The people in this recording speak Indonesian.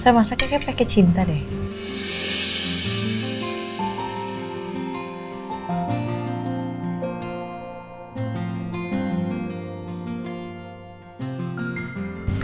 saya masaknya kayak pake cinta deh